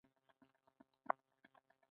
د هغه داستانونه ساده او روان دي.